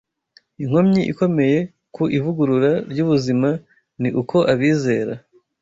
Inkomyi ikomeye ku ivugurura ry’ubuzima ni uko abizera